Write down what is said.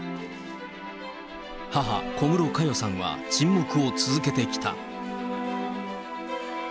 母、小室佳代さんは沈黙を続けてきた。